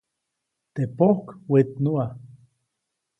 Teʼ pojk wetnuʼa.